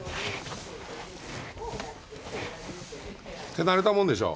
手慣れたもんでしょ。